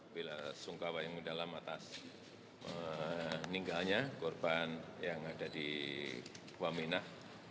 bela sungkawa yang mendalam atas meninggalnya korban yang ada di wamenah